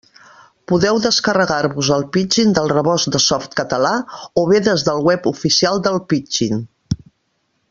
Podeu descarregar-vos el Pidgin del rebost de Softcatalà o bé des del web oficial del Pidgin.